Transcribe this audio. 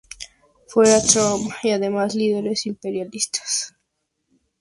Fuera Trump y demás líderes imperialistas.